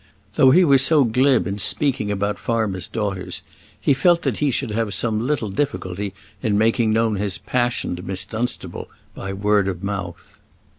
Though he was so glib in speaking about the farmers' daughters, he felt that he should have some little difficulty in making known his passion to Miss Dunstable by word of mouth.